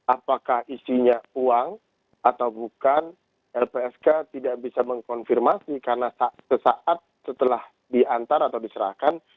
apakah isinya uang atau bukan lpsk tidak bisa mengkonfirmasi karena sesaat setelah diantar atau diserahkan